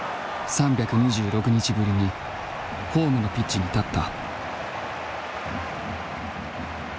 ３２６日ぶりにホームのピッチに立った。